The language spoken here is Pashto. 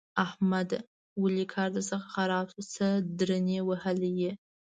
احمده! ولې کار درڅخه خراب شو؛ څه درنې وهلی يې؟!